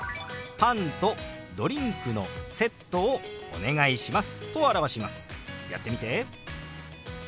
パンとドリンクのセットをお願いします。